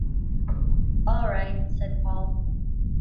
“All right,” said Paul.